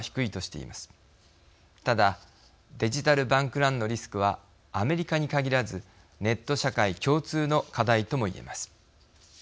ただデジタル・バンク・ランのリスクはアメリカに限らずネット社会共通の課題とも言えます。